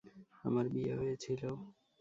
আমার বিয়ে হয়েছিল।